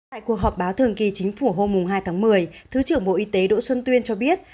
tại cuộc họp báo thường kỳ chính phủ hôm hai tháng một mươi thứ trưởng bộ y tế đỗ xuân tuyên cho biết